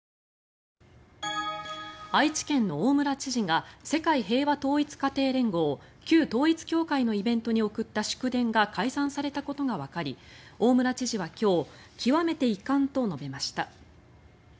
愛知県の大村知事が世界平和統一家庭連合旧統一教会のイベントに送った祝電が改ざんされたことがわかり大村知事は今日極めて遺憾と述べました。